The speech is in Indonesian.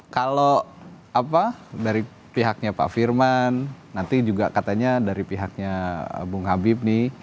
kalau apa dari pihaknya pak firman nanti juga katanya dari pihaknya bung habib nih